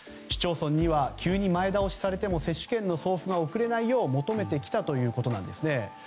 市町村には急に前倒しされても接種券の送付が遅れないよう求めてきたということです。